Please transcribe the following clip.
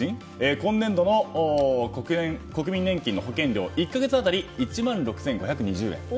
今年度の国民年金の保険料１か月当たり１万６５２０円。